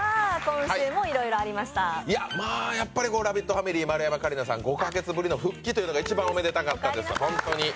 ファミリー、丸山桂里奈さん、５か月ぶりの復帰というのが一番おめでたかったです、本当に。